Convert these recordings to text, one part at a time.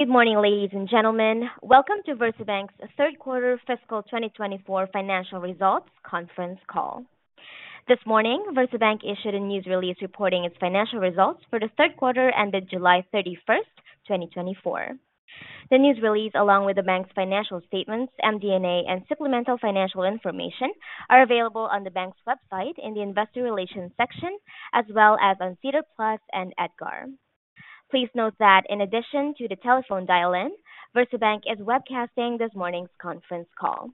Good morning, ladies and gentlemen. Welcome to VersaBank's third quarter fiscal 2024 financial results conference call. This morning, VersaBank issued a news release reporting its financial results for the third quarter ended July 31st, 2024. The news release, along with the bank's financial statements, MD&A, and supplemental financial information, are available on the bank's website in the Investor Relations section, as well as on SEDAR+ and EDGAR. Please note that in addition to the telephone dial-in, VersaBank is webcasting this morning's conference call.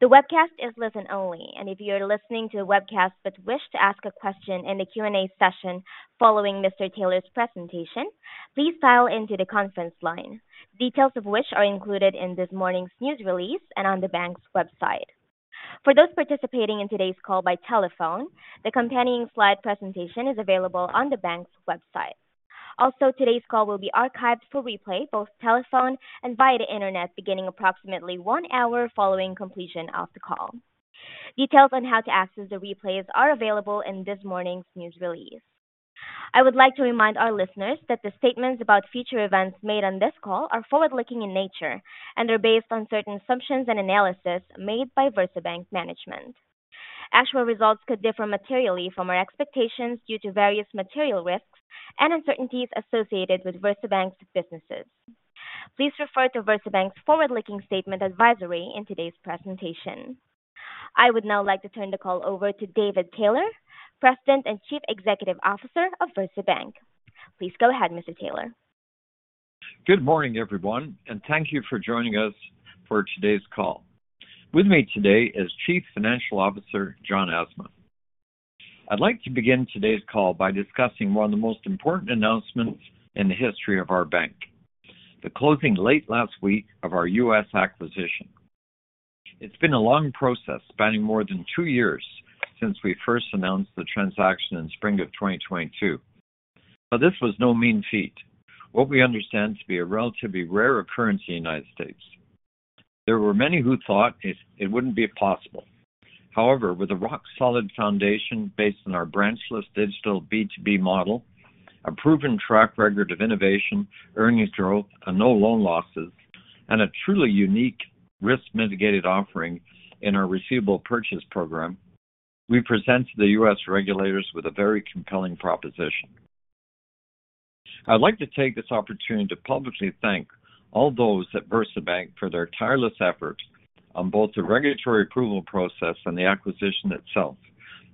The webcast is listen only, and if you are listening to the webcast but wish to ask a question in the Q&A session following Mr. Taylor's presentation, please dial into the conference line. Details of which are included in this morning's news release and on the bank's website. For those participating in today's call by telephone, the accompanying slide presentation is available on the bank's website. Also, today's call will be archived for replay, both telephone and via the internet, beginning approximately one hour following completion of the call. Details on how to access the replays are available in this morning's news release. I would like to remind our listeners that the statements about future events made on this call are forward-looking in nature and are based on certain assumptions and analysis made by VersaBank management. Actual results could differ materially from our expectations due to various material risks and uncertainties associated with VersaBank's businesses. Please refer to VersaBank's forward-looking statement advisory in today's presentation. I would now like to turn the call over to David Taylor, President and Chief Executive Officer of VersaBank. Please go ahead, Mr. Taylor. Good morning, everyone, and thank you for joining us for today's call. With me today is Chief Financial Officer John Asma. I'd like to begin today's call by discussing one of the most important announcements in the history of our bank, the closing late last week of our U.S. acquisition. It's been a long process, spanning more than two years since we first announced the transaction in spring of 2022. But this was no mean feat. What we understand to be a relatively rare occurrence in the United States. There were many who thought it wouldn't be possible. However, with a rock-solid foundation based on our branchless digital B2B model, a proven track record of innovation, earnings growth, and no loan losses, and a truly unique risk mitigated offering in our Receivable Purchase Program, we present to the U.S. regulators with a very compelling proposition. I'd like to take this opportunity to publicly thank all those at VersaBank for their tireless efforts on both the regulatory approval process and the acquisition itself,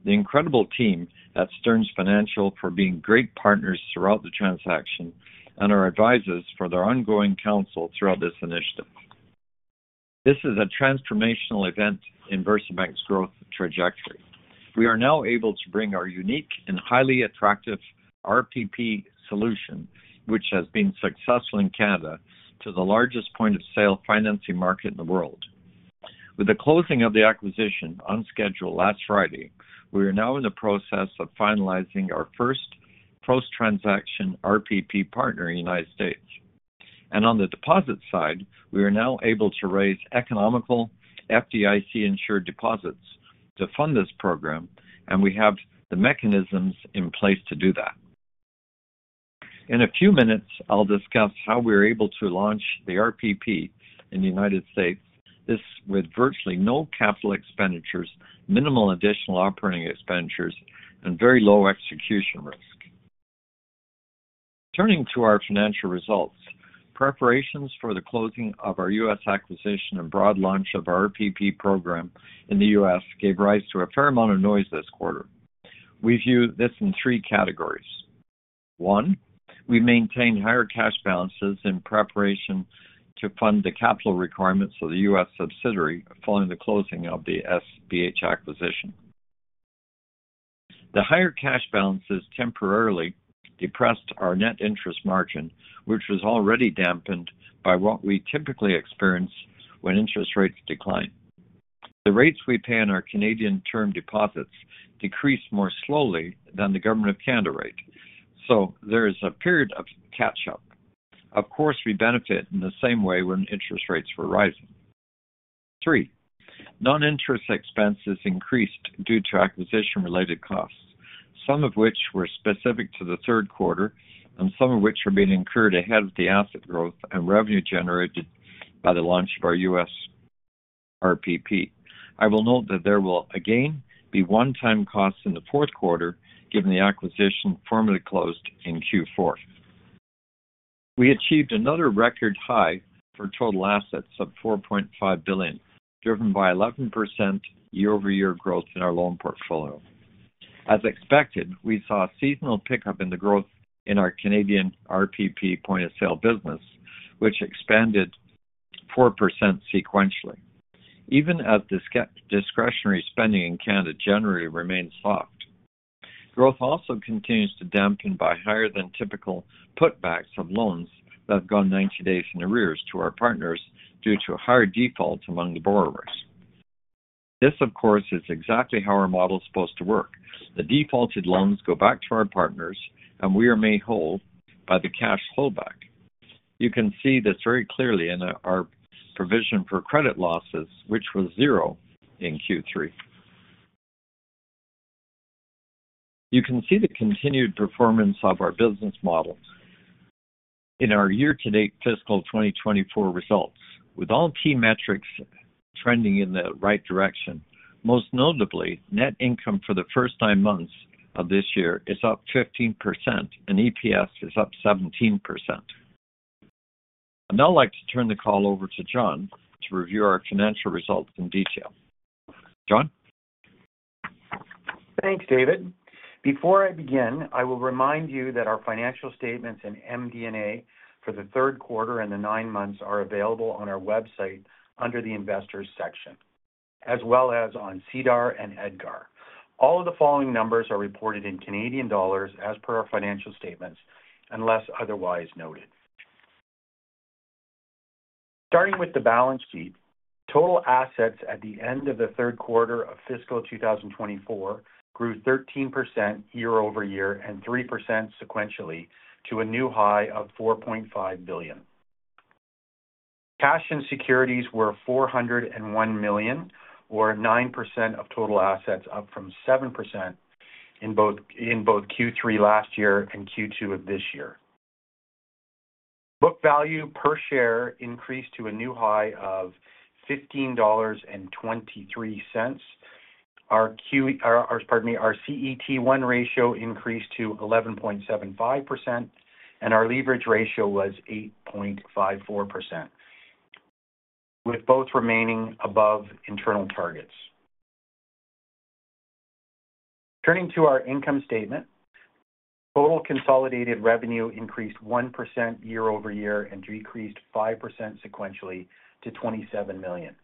the incredible team at Stearns Financial for being great partners throughout the transaction, and our advisors for their ongoing counsel throughout this initiative. This is a transformational event in VersaBank's growth trajectory. We are now able to bring our unique and highly attractive RPP solution, which has been successful in Canada, to the largest point-of-sale financing market in the world. With the closing of the acquisition on schedule last Friday, we are now in the process of finalizing our first post-transaction RPP partner in the United States, and on the deposit side, we are now able to raise economical FDIC-insured deposits to fund this program, and we have the mechanisms in place to do that. In a few minutes, I'll discuss how we are able to launch the RPP in the United States. This, with virtually no capital expenditures, minimal additional operating expenditures, and very low execution risk. Turning to our financial results, preparations for the closing of our U.S. acquisition and broad launch of our RPP program in the U.S. gave rise to a fair amount of noise this quarter. We view this in three categories. One, we maintained higher cash balances in preparation to fund the capital requirements of the U.S. subsidiary following the closing of the SBH acquisition. The higher cash balances temporarily depressed our net interest margin, which was already dampened by what we typically experience when interest rates decline. The rates we pay on our Canadian term deposits decrease more slowly than the Government of Canada rate, so there is a period of catch-up. Of course, we benefit in the same way when interest rates were rising. Three, non-interest expenses increased due to acquisition-related costs, some of which were specific to the third quarter and some of which are being incurred ahead of the asset growth and revenue generated by the launch of our US RPP. I will note that there will again be one-time costs in the fourth quarter, given the acquisition formally closed in Q4. We achieved another record high for total assets of 4.5 billion, driven by 11% year-over-year growth in our loan portfolio. As expected, we saw a seasonal pickup in the growth in our Canadian RPP point-of-sale business, which expanded 4% sequentially, even as discretionary spending in Canada generally remains soft. Growth also continues to dampen by higher than typical putbacks of loans that have gone ninety days in arrears to our partners due to higher defaults among the borrowers. This, of course, is exactly how our model is supposed to work. The defaulted loans go back to our partners, and we are made whole by the cash flow back. You can see this very clearly in our provision for credit losses, which was zero in Q3. You can see the continued performance of our business model in our year-to-date fiscal 2024 results, with all key metrics trending in the right direction. Most notably, net income for the first nine months of this year is up 15% and EPS is up 17%. I'd now like to turn the call over to John to review our financial results in detail. John? Thanks, David. Before I begin, I will remind you that our financial statements and MD&A for the third quarter and the nine months are available on our website under the Investors section, as well as on SEDAR+ and EDGAR. All of the following numbers are reported in CAD as per our financial statements, unless otherwise noted. Starting with the balance sheet, total assets at the end of the third quarter of fiscal 2024 grew 13% year over year and 3% sequentially to a new high of 4.5 billion. Cash and securities were 401 million, or 9% of total assets, up from 7% in both Q3 last year and Q2 of this year. Book value per share increased to a new high of 15.23 dollars. Our CET1 ratio increased to 11.75%, and our leverage ratio was 8.54%, with both remaining above internal targets. Turning to our income statement, total consolidated revenue increased 1% year over year and decreased 5% sequentially to 27 million.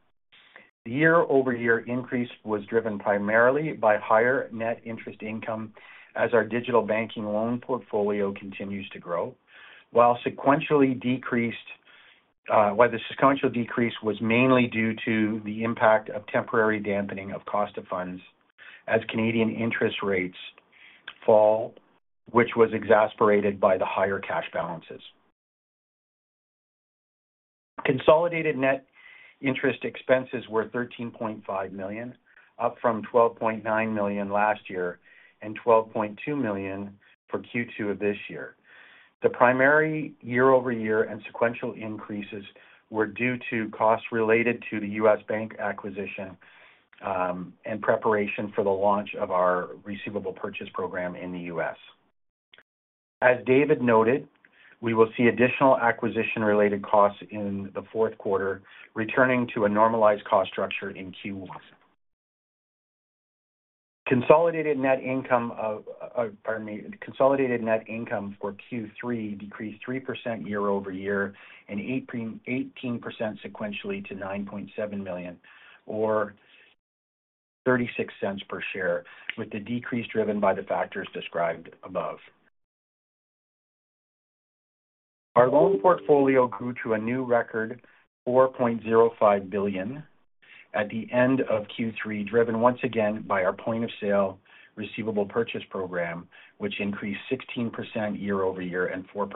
The year over year increase was driven primarily by higher net interest income as our digital banking loan portfolio continues to grow, while the sequential decrease was mainly due to the impact of temporary dampening of cost of funds as Canadian interest rates fall, which was exacerbated by the higher cash balances. Consolidated net interest expenses were 13.5 million, up from 12.9 million last year and 12.2 million for Q2 of this year. The primary year over year and sequential increases were due to costs related to the U.S. bank acquisition, and preparation for the launch of our Receivable Purchase Program in the U.S. As David noted, we will see additional acquisition-related costs in the fourth quarter, returning to a normalized cost structure in Q1. Consolidated net income Pardon me, consolidated net income for Q3 decreased 3% year over year and 18% sequentially to 9.7 million, or 0.36 per share, with the decrease driven by the factors described above. Our loan portfolio grew to a new record, 4.05 billion at the end of Q3, driven once again by our point-of-sale Receivable Purchase Program, which increased 16% year over year and 4%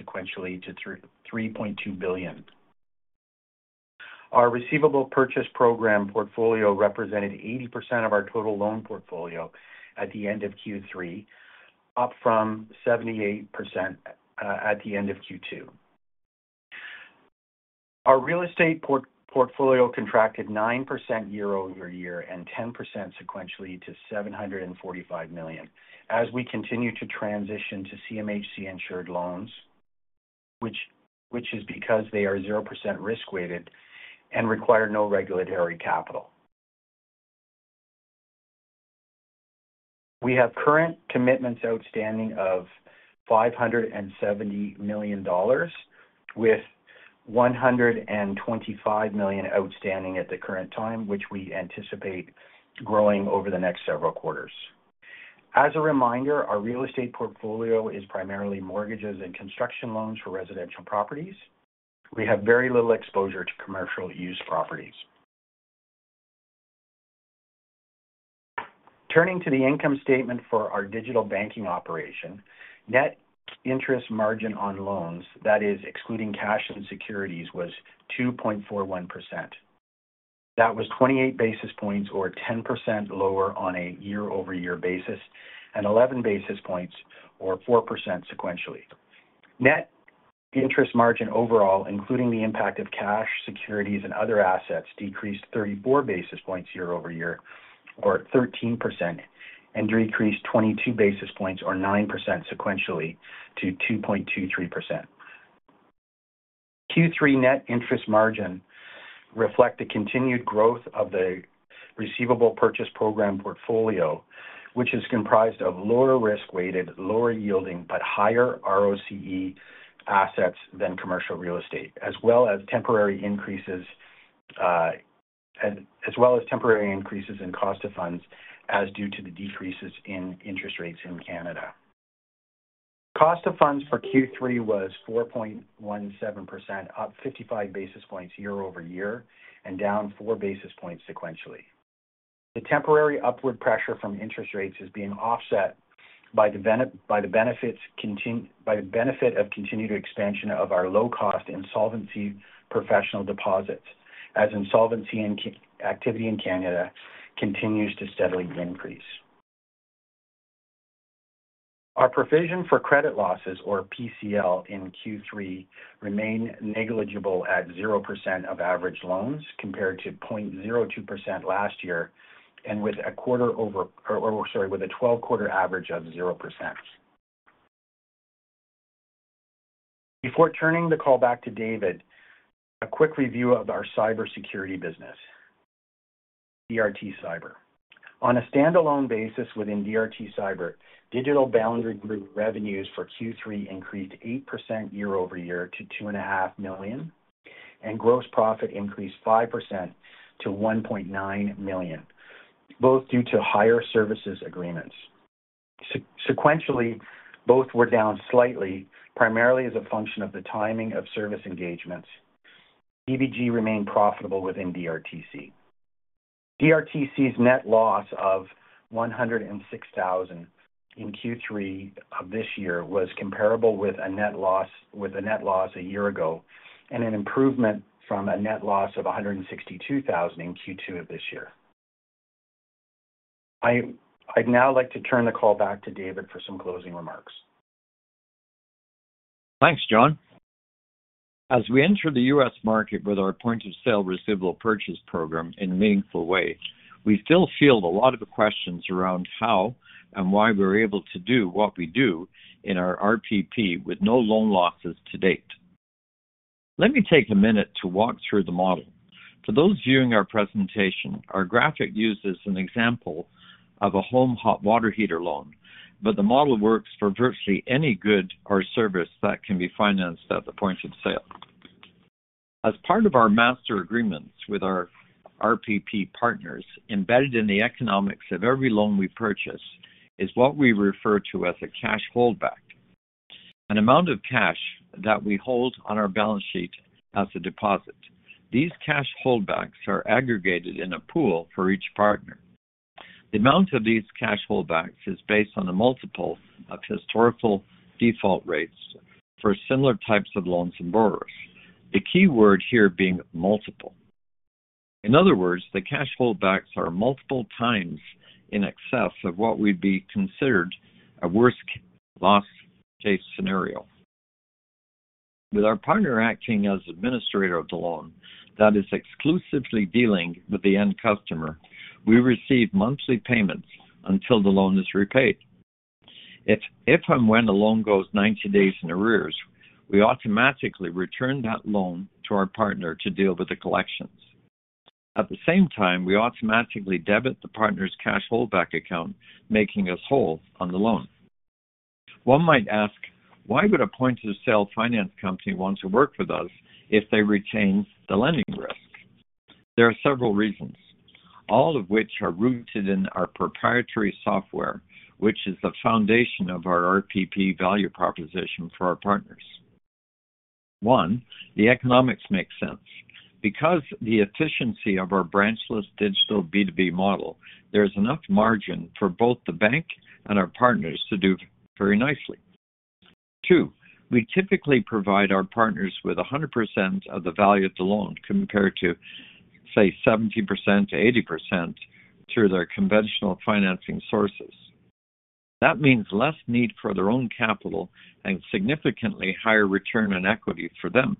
sequentially to 3.2 billion. Our Receivable Purchase Program portfolio represented 80% of our total loan portfolio at the end of Q3, up fRom 78%, at the end of Q2. Our real estate portfolio contracted 9% year over year and 10% sequentially to 745 million as we continue to transition to CMHC insured loans, which is because they are 0% risk-weighted and require no regulatory capital. We have current commitments outstanding of 570 million dollars, with 125 million outstanding at the current time, which we anticipate growing over the next several quarters. As a reminder, our real estate portfolio is primarily mortgages and construction loans for residential properties. We have very little exposure to commercial use properties. Turning to the income statement for our digital banking operation, net interest margin on loans, that is excluding cash and securities, was 2.41%. That was 28 basis points or 10% lower on a year-over-year basis, and 11 basis points or 4% sequentially. Net interest margin overall, including the impact of cash, securities and other assets, decreased 34 basis points year over year, or 13%, and decreased 22 basis points, or 9% sequentially, to 2.23%. Q3 net interest margin reflect the continued growth of the Receivable Purchase Program portfolio, which is comprised of lower risk-weighted, lower yielding, but higher ROCE assets than commercial real estate, as well as temporary increases in cost of funds due to the decreases in interest rates in Canada. Cost of funds for Q3 was 4.17%, up 55 basis points year over year and down 4 basis points sequentially. The temporary upward pressure from interest rates is being offset by the benefit of continued expansion of our low-cost insolvency professional deposits, as insolvency activity in Canada continues to steadily increase. Our provision for credit losses, or PCL, in Q3 remained negligible at 0% of average loans, compared to 0.02% last year, and with a twelve-quarter average of 0%. Before turning the call back to David, a quick review of our cybersecurity business, DRT Cyber. On a standalone basis within DRT Cyber, Digital Boundary Group revenues for Q3 increased 8% year over year to 2.5 million, and gross profit increased 5% to 1.9 million, both due to higher services agreements. Sequentially, both were down slightly, primarily as a function of the timing of service engagements. DBG remained profitable within DRTC. DRTC's net loss of 106,000 in Q3 of this year was comparable with a net loss a year ago and an improvement from a net loss of 162,000 in Q2 of this year. I'd now like to turn the call back to David for some closing remarks. Thanks, John. As we enter the U.S. market with our point-of-sale Receivable Purchase Program in a meaningful way, we still field a lot of questions around how and why we're able to do what we do in our RPP with no loan losses to date. Let me take a minute to walk through the model. For those viewing our presentation, our graphic uses an example of a home hot water heater loan, but the model works for virtually any good or service that can be financed at the point of sale. As part of our master agreements with our RPP partners, embedded in the economics of every loan we purchase is what we refer to as a cash holdback, an amount of cash that we hold on our balance sheet as a deposit. These cash holdbacks are aggregated in a pool for each partner. The amount of these cash holdbacks is based on a multiple of historical default rates for similar types of loans and borrowers. The key word here being multiple. In other words, the cash holdbacks are multiple times in excess of what would be considered a worst-case scenario. With our partner acting as administrator of the loan that is exclusively dealing with the end customer, we receive monthly payments until the loan is repaid. If and when the loan goes ninety days in arrears, we automatically return that loan to our partner to deal with the collections. At the same time, we automatically debit the partner's cash holdback account, making us whole on the loan. One might ask, why would a point-of-sale finance company want to work with us if they retain the lending risk? There are several reasons, all of which are rooted in our proprietary software, which is the foundation of our RPP value proposition for our partners. One, the economics make sense. Because the efficiency of our branchless digital B2B model, there's enough margin for both the bank and our partners to do very nicely. Two, we typically provide our partners with 100% of the value of the loan, compared to, say, 70% to 80% through their conventional financing sources. That means less need for their own capital and significantly higher return on equity for them.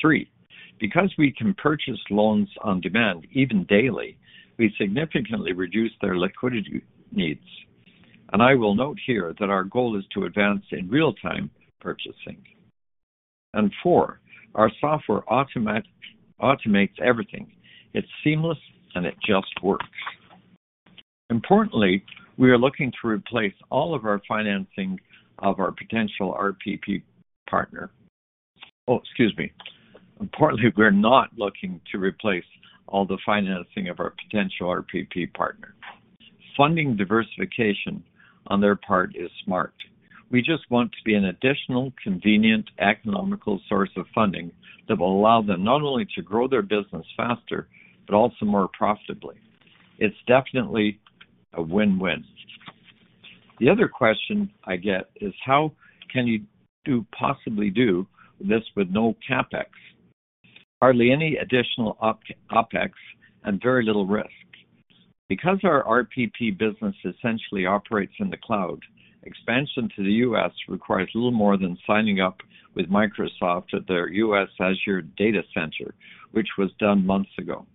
Three, because we can purchase loans on demand, even daily, we significantly reduce their liquidity needs, and I will note here that our goal is to advance in real time purchasing, and four, our software automates everything. It's seamless, and it just works. Importantly, we are looking to replace all of our financing of our potential RPP partner. Oh, excuse me. Importantly, we're not looking to replace all the financing of our potential RPP partner. Funding diversification on their part is smart. We just want to be an additional, convenient, economical source of funding that will allow them not only to grow their business faster, but also more profitably. It's definitely a win-win. The other question I get is: how can you possibly do this with no CapEx, hardly any additional OpEx, and very little risk? Because our RPP business essentially operates in the cloud, expansion to the U.S. requires little more than signing up with Microsoft at their U.S. Azure data center, which was done months ago.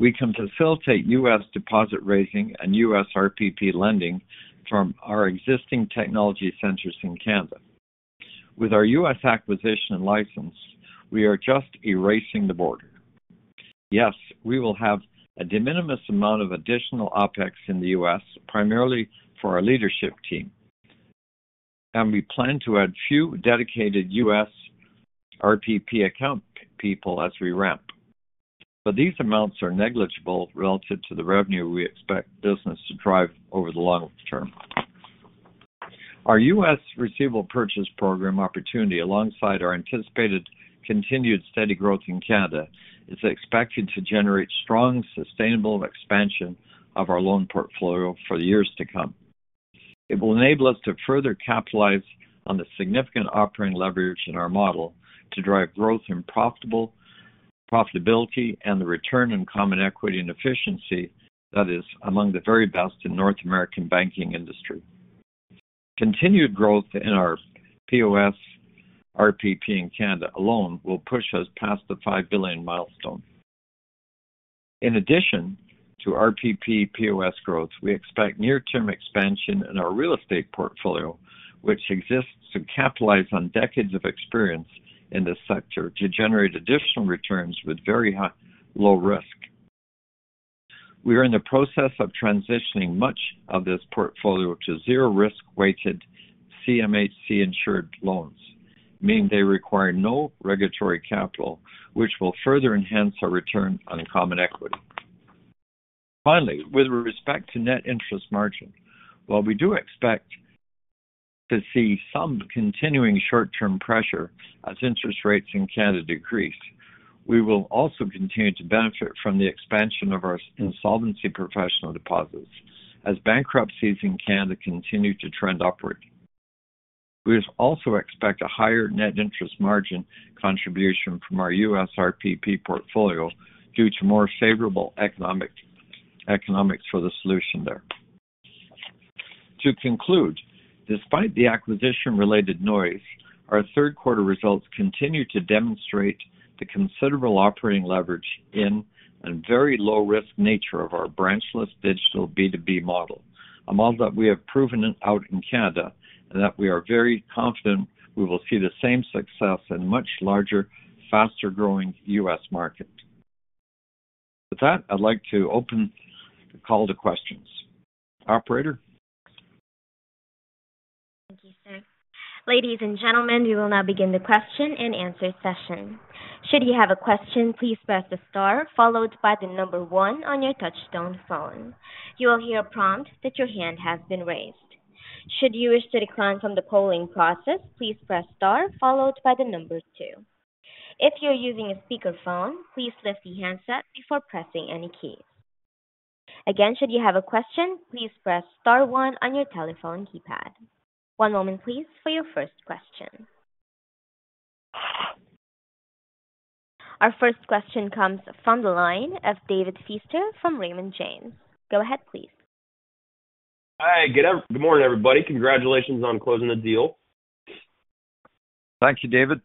We can facilitate U.S. deposit raising and U.S. RPP lending from our existing technology centers in Canada. With our U.S. acquisition and license, we are just erasing the border. Yes, we will have a de minimis amount of additional OpEx in the U.S., primarily for our leadership team. And we plan to add few dedicated U.S. RPP account people as we ramp. But these amounts are negligible relative to the revenue we expect business to drive over the long term. Our U.S. Receivable Purchase Program opportunity, alongside our anticipated continued steady growth in Canada, is expected to generate strong, sustainable expansion of our loan portfolio for the years to come. It will enable us to further capitalize on the significant operating leverage in our model to drive growth and profitability and the return on common equity and efficiency that is among the very best in North American banking industry. Continued growth in our POS RPP in Canada alone will push us past the 5 billion milestone. In addition to RPP POS growth, we expect near-term expansion in our real estate portfolio, which exists to capitalize on decades of experience in this sector to generate additional returns with very high-low risk. We are in the process of transitioning much of this portfolio to zero risk-weighted CMHC insured loans, meaning they require no regulatory capital, which will further enhance our return on common equity. Finally, with respect to net interest margin, while we do expect to see some continuing short-term pressure as interest rates in Canada decrease, we will also continue to benefit from the expansion of our insolvency professional deposits as bankruptcies in Canada continue to trend upward. We also expect a higher net interest margin contribution from our U.S. RPP portfolio due to more favorable economics for the solution there. To conclude, despite the acquisition-related noise, our third quarter results continue to demonstrate the considerable operating leverage in a very low-risk nature of our branchless digital B2B model, a model that we have proven out in Canada, and that we are very confident we will see the same success in much larger, faster-growing U.S. market. With that, I'd like to open the call to questions. Operator? Thank you, sir. Ladies and gentlemen, we will now begin the question and answer session. Should you have a question, please press the star followed by the number one on your touchtone phone. You will hear a prompt that your hand has been raised. Should you wish to decline from the polling process, please press star followed by the number two. If you're using a speakerphone, please lift the handset before pressing any key. Again, should you have a question, please press star one on your telephone keypad. One moment, please, for your first question. Our first question comes from the line of David Feaster from Raymond James. Go ahead, please. Hi, good morning, everybody. Congratulations on closing the deal. Thank you, David.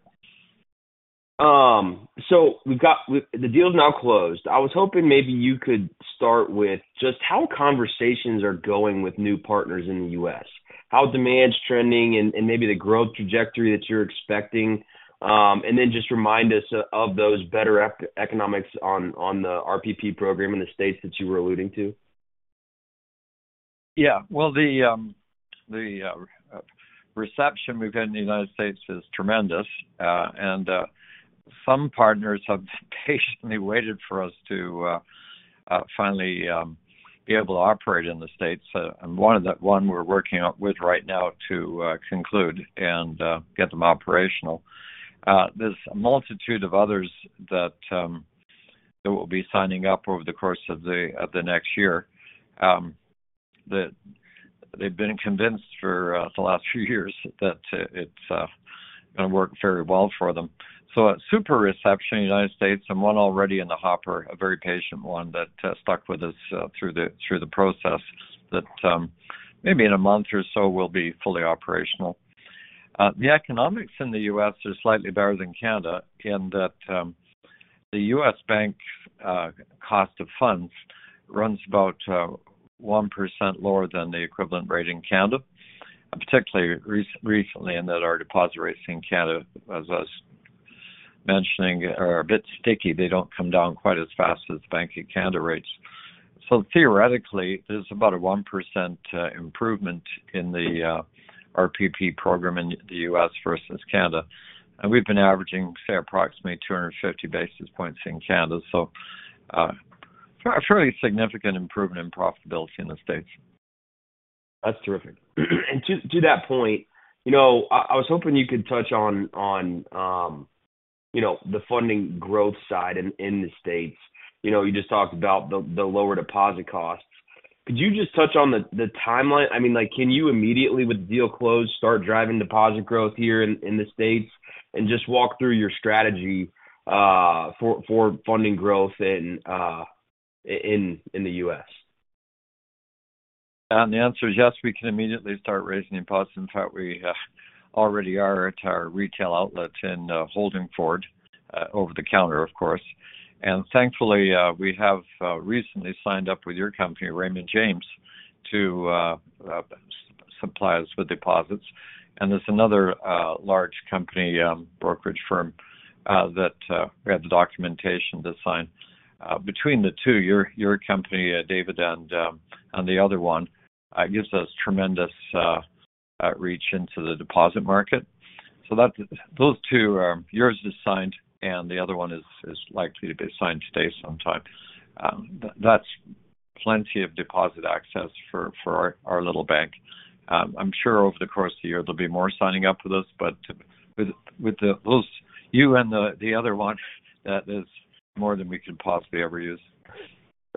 So we've got the deal is now closed. I was hoping maybe you could start with just how conversations are going with new partners in the US, how demand is trending and maybe the growth trajectory that you're expecting. And then just remind us of those better economics on the RPP program in the states that you were alluding to. Yeah. Well, the reception we've had in the United States is tremendous, and some partners have patiently waited for us to finally be able to operate in the States. And one we're working out with right now to conclude and get them operational. There's a multitude of others that will be signing up over the course of the next year, that they've been convinced for the last few years that it's gonna work very well for them. So a super reception in the United States, and one already in the hopper, a very patient one that stuck with us through the process, that maybe in a month or so will be fully operational. The economics in the U.S. are slightly better than Canada, in that, the U.S. bank, cost of funds runs about 1% lower than the equivalent rate in Canada, and particularly recently, in that our deposit rates in Canada, as I was mentioning, are a bit sticky. They don't come down quite as fast as the Bank of Canada rates. So theoretically, there's about a 1% improvement in the RPP program in the U.S. versus Canada. And we've been averaging, say, approximately 250 basis points in Canada, so, a fairly significant improvement in profitability in the States. That's terrific, and to that point, you know, I was hoping you could touch on you know, the funding growth side in the States. You know, you just talked about the lower deposit costs. Could you just touch on the timeline? I mean, like, can you immediately, with the deal closed, start driving deposit growth here in the States, and just walk through your strategy for funding growth in the US? The answer is yes, we can immediately start raising deposits. In fact, we already are at our retail outlets in Holdingford, over-the-counter, of course. Thankfully, we have recently signed up with your company, Raymond James, to supply us with deposits. There's another large company, brokerage firm, that we have the documentation to sign. Between the two, your company, David, and the other one gives us tremendous outreach into the deposit market. So those two, yours is signed, and the other one is likely to be signed today sometime. That's plenty of deposit access for our little bank. I'm sure over the course of the year, there'll be more signing up with us, but with those, you and the other one, that is more than we could possibly ever use....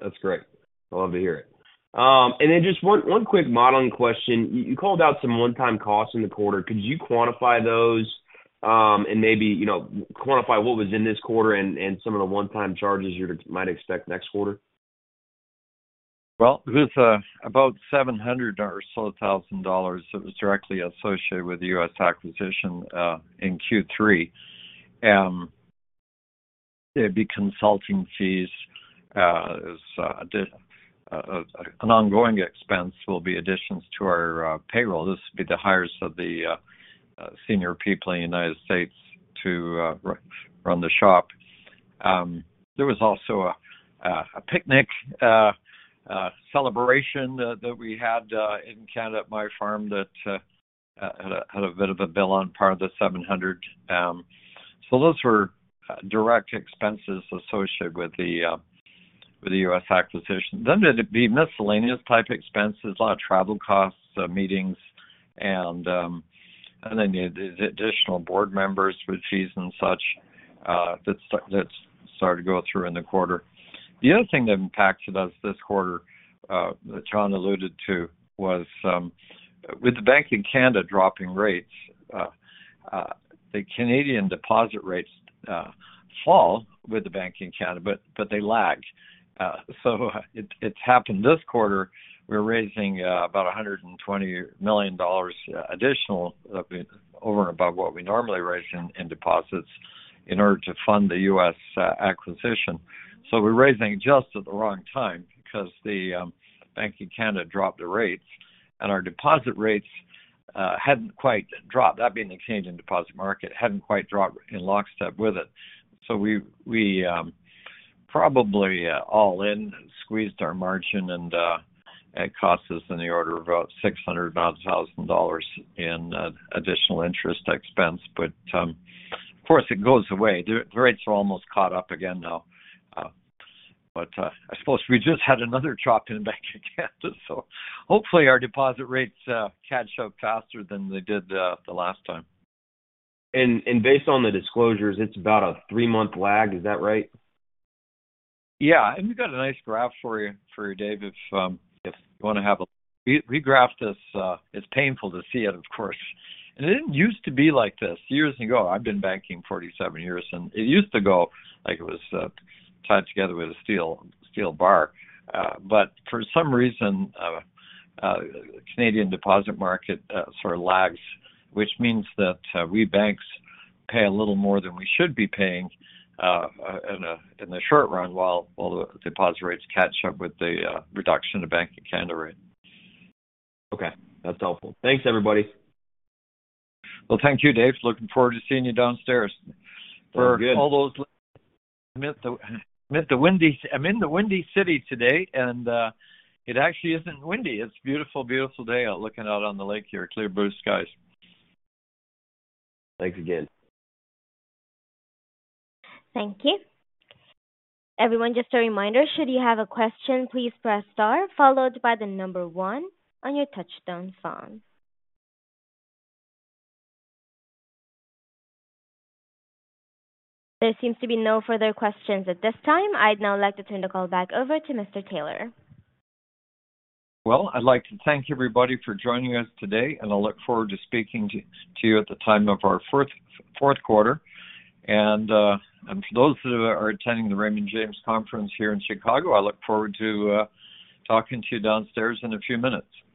That's great. I love to hear it. And then just one quick modeling question. You called out some one-time costs in the quarter. Could you quantify those, and maybe, you know, quantify what was in this quarter and some of the one-time charges you'd might expect next quarter? It was about 700,000 or so that was directly associated with the U.S. acquisition in Q3. It'd be consulting fees, as an ongoing expense will be additions to our payroll. This would be the hires of the senior people in the United States to run the shop. There was also a picnic celebration that we had in Canada at my farm that had a bit of a bill on par the seven hundred. So those were direct expenses associated with the U.S. acquisition. There'd be miscellaneous type expenses, a lot of travel costs, meetings, and then the additional board members, fees and such, that started to go through in the quarter. The other thing that impacted us this quarter, that John alluded to, was, with the Bank of Canada dropping rates, the Canadian deposit rates fall with the Bank of Canada, but they lag. So it, it's happened this quarter. We're raising about 120 million dollars additional, over and above what we normally raise in deposits in order to fund the U.S. acquisition. So we're raising just at the wrong time because the Bank of Canada dropped the rates, and our deposit rates hadn't quite dropped. That being the change in deposit market, hadn't quite dropped in lockstep with it. So we probably, all in, squeezed our margin and it cost us in the order of about 600,000-odd dollars in additional interest expense. But, of course, it goes away. The rates are almost caught up again now. But, I suppose we just had another drop in the Bank of Canada, so hopefully our deposit rates catch up faster than they did the last time. Based on the disclosures, it's about a three-month lag. Is that right? Yeah, and we've got a nice graph for you, Dave, if you want to have a look. We graphed this. It's painful to see it, of course. And it didn't used to be like this years ago. I've been banking forty-seven years, and it used to go like it was tied together with a steel bar. But for some reason, Canadian deposit market sort of lags, which means that we banks pay a little more than we should be paying in the short run, while the deposit rates catch up with the reduction in Bank of Canada rate. Okay. That's helpful. Thanks, everybody. Thank you, Dave. Looking forward to seeing you downstairs. For all those... I'm in the windy, I'm in the Windy City today, and it actually isn't windy. It's beautiful, beautiful day out, looking out on the lake here. Clear blue skies. Thanks again. Thank you. Everyone, just a reminder, should you have a question, please press star followed by the number one on your touchtone phone. There seems to be no further questions at this time. I'd now like to turn the call back over to Mr. Taylor. I'd like to thank everybody for joining us today, and I look forward to speaking to you at the time of our fourth quarter, and for those who are attending the Raymond James conference here in Chicago, I look forward to talking to you downstairs in a few minutes.